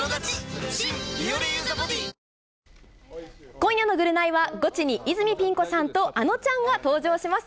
今夜のぐるナイは、ゴチに泉ピン子さんとあのちゃんが登場します。